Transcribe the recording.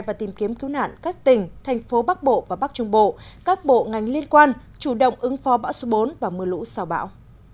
và tìm kiếm cứu nạn các tỉnh thành phố bắc bộ và bắc trung bộ các bộ ngành liên quan chủ động ứng phó bão số bốn và mưa lũ sau bão